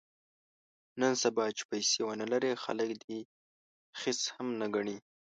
نن سبا چې پیسې ونه لرې خلک دې خس هم نه ګڼي.